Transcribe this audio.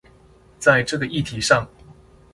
在這個議題上